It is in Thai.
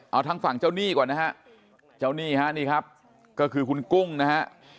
เอาทางฝั่งเจ้าหนี้ก่อนนะฮะเจ้าหนี้ฮะนี่ครับก็คือคุณกุ้งนะฮะ